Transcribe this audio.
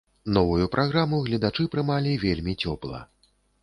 Новую праграму гледачы прымалі вельмі цёпла.